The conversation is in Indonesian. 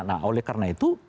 nah oleh karena itu